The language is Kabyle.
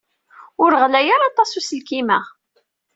Ur ɣlay ara aṭas uselkim-a.